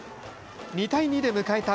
２対２で迎えた